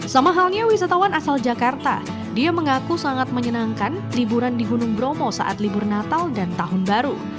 sama halnya wisatawan asal jakarta dia mengaku sangat menyenangkan liburan di gunung bromo saat libur natal dan tahun baru